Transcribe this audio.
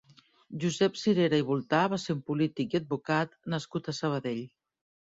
Josep Cirera i Voltà va ser un polític i advocat nascut a Sabadell.